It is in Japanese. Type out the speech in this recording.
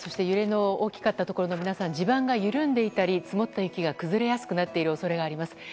揺れの大きかったところの皆さん、地盤が緩んでいたり積もった雪が崩れやすくなっている恐れがあります。